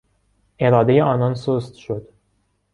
ارادهی آنان سست شد.